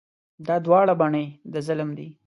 دا دواړه بڼې د ظلم دي.